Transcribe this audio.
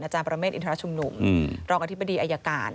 อาจารย์ประเมฆอินทรัฐชุมนุมรองอธิบดีอายการ